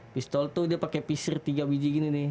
pistol tuh dia pakai piser tiga biji gini nih